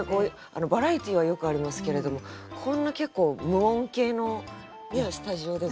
バラエティーはよくありますけれどもこんな結構無音系のスタジオでご一緒する。